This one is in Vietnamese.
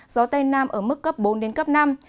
gió tây nam ở mức cấp bốn đến cấp năm